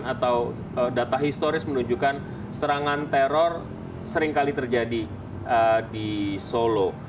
atau data historis menunjukkan serangan teror seringkali terjadi di solo